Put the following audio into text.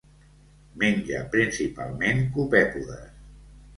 Menja principalment copèpodes.